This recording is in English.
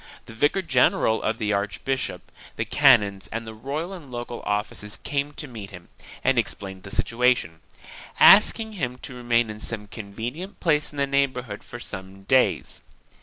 The vicar general of the archbishop, the canons and the royal and local officials came to meet him and explained the situation, ask ing him to remain in some convenient place in the neighborhood for some days.